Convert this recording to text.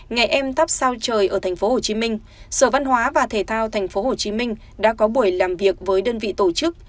ngày em thắp sao trời ở tp hcm sở văn hóa và thể thao tp hcm đã có buổi làm việc với đơn vị tổ chức